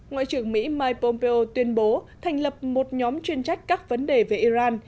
ngoại trưởng mỹ mike pompeo tuyên bố thành lập một nhóm chuyên trách các vấn đề về iran